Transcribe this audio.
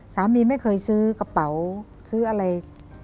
สามีไม่เคยซื้อกระเป๋าซื้ออะไร